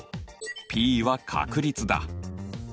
ｐは確率だ。